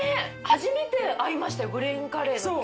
初めて会いましたよグリーンカレーの餃子。